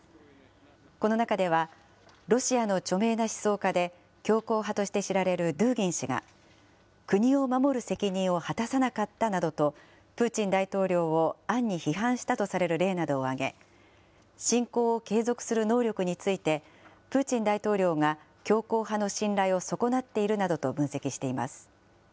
この中では、ロシアの著名な思想家で、強硬派として知られるドゥーギン氏が、国を守る責任を果たさなかったなどと、プーチン大統領を暗に批判したとされる例などを挙げ、侵攻を継続する能力について、プーチン大統領が、強硬派の信頼を損なっているなどと分析しています。